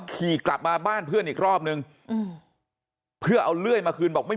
ขี่กลับมาบ้านเพื่อนอีกรอบนึงเพื่อเอาเลื่อยมาคืนบอกไม่